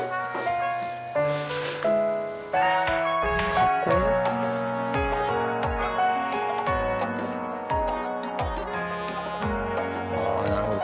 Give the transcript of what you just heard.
あっなるほど。